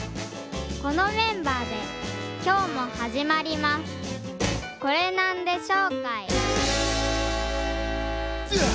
このメンバーできょうもはじまりますドゥア！